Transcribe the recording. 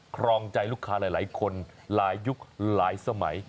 ครองใจลูกค้าหลายคนหลายยุคหลายสมัย